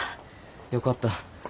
よかった。